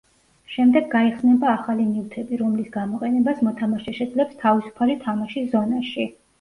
შემდეგ გაიხსნება ახალი ნივთები რომლის გამოყენებას მოთამაშე შეძლებს თავისუფალი თამაშის ზონაში.